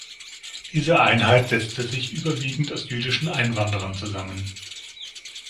Diese Einheit setzte sich überwiegend aus jüdischen Einwanderern zusammen.